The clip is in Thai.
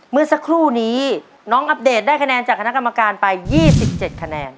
เมื่อสักครู่นี้น้องอัปเดตได้คะแนนจากคณะกรรมการไป๒๗คะแนน